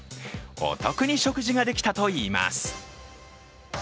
お得に食事ができたといいます。